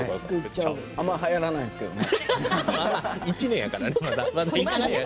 あんまり入らないんですけどね。